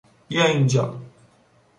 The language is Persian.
بیا اینجا!